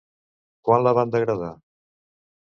Quan la van degradar?